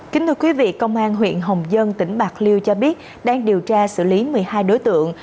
kính thưa quý vị công an huyện hồng dân tỉnh bạc liêu cho biết đang điều tra xử lý một mươi hai đối tượng